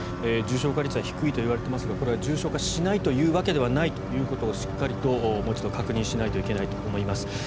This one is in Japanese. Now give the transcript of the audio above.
重症化率は低いといわれていますがこれは重症化しないというわけではないということをしっかりともう一度確認しないといけないと思います。